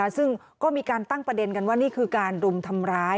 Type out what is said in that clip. ซึ่งก็มีการตั้งประเด็นกันว่านี่คือการรุมทำร้าย